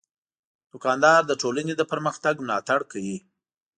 دوکاندار د ټولنې د پرمختګ ملاتړ کوي.